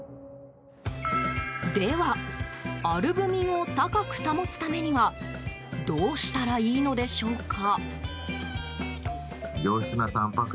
ではアルブミンを高く保つためにはどうしたらいいのでしょうか。